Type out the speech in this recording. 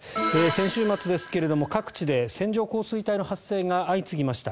先週末ですが各地で線状降水帯の発生が相次ぎました。